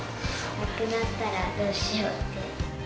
なくなったらどうしようって。